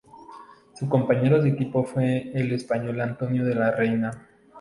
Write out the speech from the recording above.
Su compañero de equipo fue el español Antonio de la Reina.